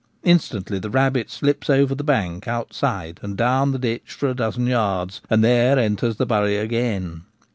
Instantly the rabbit slips over the bank outside and down the ditch for a dozen yards, and there enters the ' bury ' again.